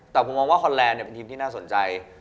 แต่ผมมองว่าฮอนแลนด์เป็นทีมที่น่าสนใจ